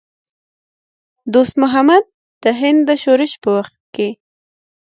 دوست محمد د هند د شورش په وخت کې.